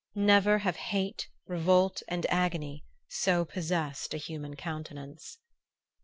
Never have hate, revolt and agony so possessed a human countenance....